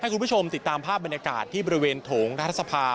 คุณผู้ชมติดตามภาพบรรยากาศที่บริเวณโถงรัฐสภา